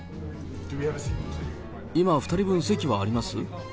今、２人分、席はあります？